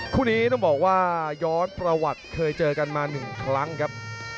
คู่นี้ต้องบอกว่าย้อนประวัติเคยเจอกันมา๑ครั้งครับ